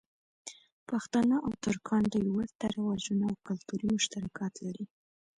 پښتانه او ترکان ډېر ورته رواجونه او کلتوری مشترکات لری.